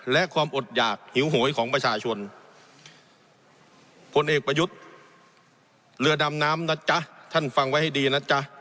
และความอดอยากหิวหวยของประชาชนคนเอกประยุทธ์